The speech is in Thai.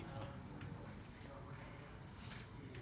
ตอนต่อไป